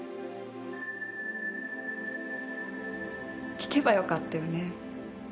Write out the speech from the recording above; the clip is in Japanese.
聞けば良かったよね